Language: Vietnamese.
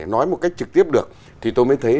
nói một cách trực tiếp được thì tôi mới thấy